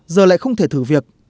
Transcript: giờ lại không thể thử việc